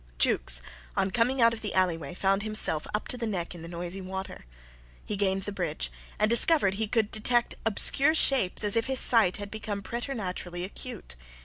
Jukes on coming out of the alleyway found himself up to the neck in the noisy water. He gained the bridge, and discovered he could detect obscure shapes as if his sight had become preternaturally acute.